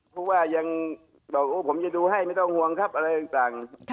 ผู้ว่ายังบอกโอ้ผมจะดูให้ไม่ต้องห่วงครับอะไรต่าง